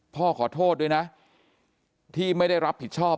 พ่อขอโทษด้วยนะ